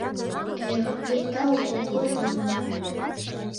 Эх, вет, тау колхоз лиймылан!